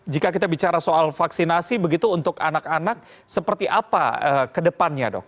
jika kita bicara soal vaksinasi begitu untuk anak anak seperti apa ke depannya dok